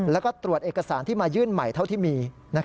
แล้วก็ตรวจเอกสารที่มายื่นใหม่เท่าที่มี